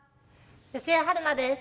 吉江晴菜です。